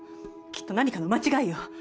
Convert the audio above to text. きっと何かの間違いよ！